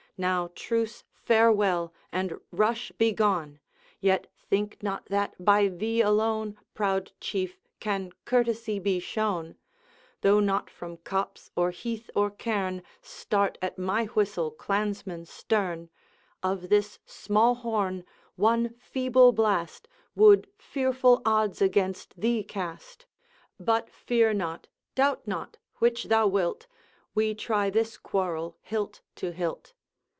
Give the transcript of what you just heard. Now, truce, farewell! and, rush, begone! Yet think not that by thee alone, Proud Chief! can courtesy be shown; Though not from copse, or heath, or cairn, Start at my whistle clansmen stern, Of this small horn one feeble blast Would fearful odds against thee cast. But fear not doubt not which thou wilt We try this quarrel hilt to hilt.'